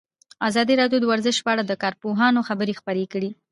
ازادي راډیو د ورزش په اړه د کارپوهانو خبرې خپرې کړي.